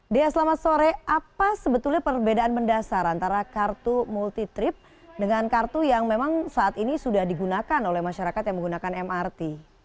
dea selamat sore apa sebetulnya perbedaan mendasar antara kartu multi trip dengan kartu yang memang saat ini sudah digunakan oleh masyarakat yang menggunakan mrt